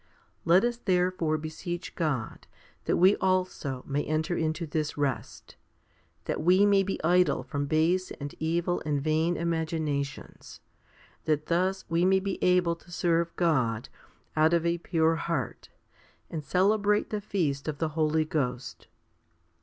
Let us therefore beseech God that we also may enter into this rest, 2 that we may be idle from base and evil and vain imaginations, that thus we may be able to serve God out of a pure heart, and celebrate the feast of the Holy Ghost.